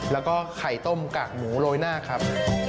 แล้วก็ไข่ต้มกากหมูโรยหน้าครับ